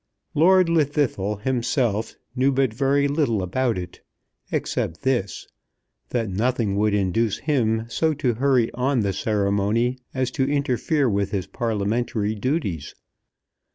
Lord Llwddythlw himself knew but very little about it, except this, that nothing would induce him so to hurry on the ceremony as to interfere with his Parliamentary duties.